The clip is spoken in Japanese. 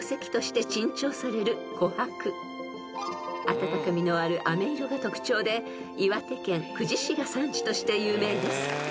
［あたたかみのあるあめ色が特徴で岩手県久慈市が産地として有名です］